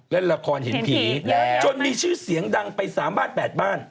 เล่นละครเห็นผีจนมีชื่อเสียงดังไป๓บ้าน๘บ้าน